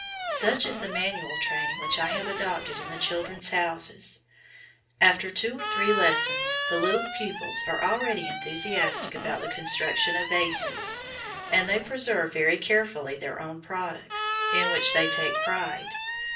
Such is the manual training which I have adopted in the "Children's Houses"; after two or three lessons the little pupils are already enthusiastic about the construction of vases, and they preserve very carefully their own products, in which they take pride.